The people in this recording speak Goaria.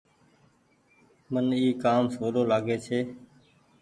من اي ڪآم سولو لآگي ڇي۔